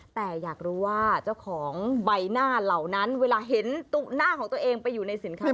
แต่อยากรู้ว่าเจ้าของใบหน้าเหล่านั้นเวลาเห็นหน้าของตัวเองไปอยู่ในสินค้า